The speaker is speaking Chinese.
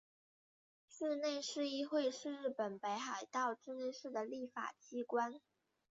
稚内市议会是日本北海道稚内市的立法机关。